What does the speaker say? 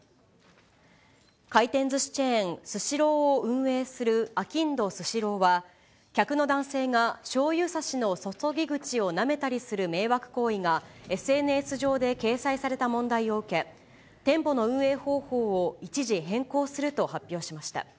回転ずしチェーン、スシローを運営するあきんどスシローは、客の男性が、しょうゆ差しの注ぎ口をなめたりする迷惑行為が、ＳＮＳ上で掲載された問題を受け、店舗の運営方法を一時変更すると発表しました。